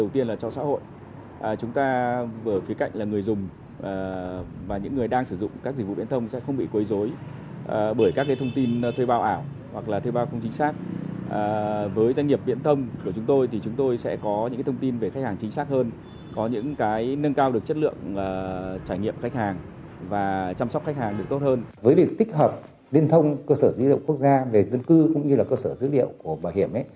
tích hợp liên thông cơ sở dữ liệu quốc gia về dân cư cũng như là cơ sở dữ liệu của bảo hiểm